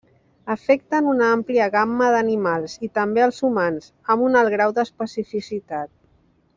Afecten una àmplia gamma d'animals, i també els humans, amb un alt grau d'especificitat.